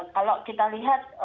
kalau kita lihat